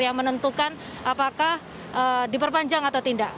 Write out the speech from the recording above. yang menentukan apakah diperpanjang atau tidak